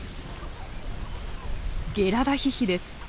ゲラダヒヒです。